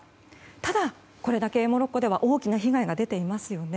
ただ、これだけモロッコでは大きな被害が出ていますよね。